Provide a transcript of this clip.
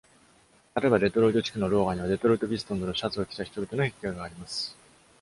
例えば、デトロイト地区のローガンにはデトロイト・ピストンズのシャツを着た人々の壁画があります。